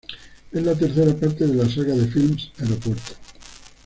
Es la tercera parte de la saga de filmes "Aeropuerto".